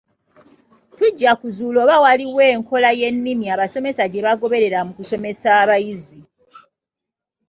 Tujja kuzuula oba nga waliwo enkola y’ennimi abasomesa gye bagoberera mu kusomesa abayizi.